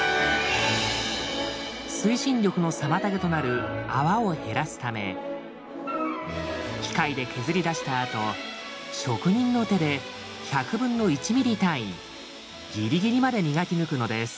推進力の妨げとなる泡を減らすため機械で削り出したあと職人の手で１００分の１ｍｍ単位ギリギリまで磨き抜くのです。